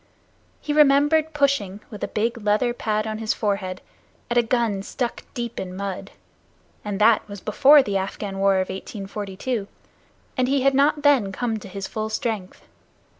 He remembered pushing, with a big leather pad on his forehead, at a gun stuck in deep mud, and that was before the Afghan War of 1842, and he had not then come to his full strength.